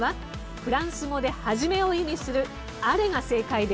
フランス語で「始め」を意味する「アレ」が正解です。